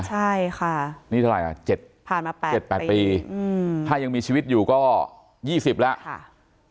ใช่ค่ะนี่เท่าไหร่ผ่านมา๘๗๘ปีถ้ายังมีชีวิตอยู่ก็๒๐แล้ว